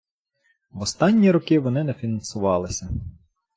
В останні роки вони не фінансувалися.